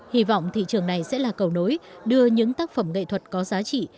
hy vọng thị trường này sẽ là cầu nối đưa những tác phẩm nghệ thuật có giá trị